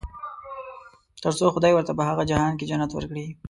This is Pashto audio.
تر څو خدای ورته په هغه جهان کې جنت ورکړي.